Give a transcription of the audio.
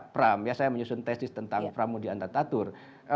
pram saya menyusun tesis tentang pramudian datatur